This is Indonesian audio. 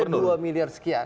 ada dua miliar sekian